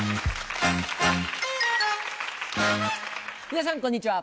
皆さんこんにちは。